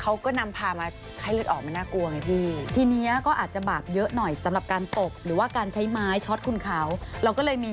เออแต่เดี๋ยวนี้เนี่ยเขามีนวัตกรรมนะจ๊ะ